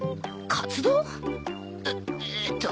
えっえっと。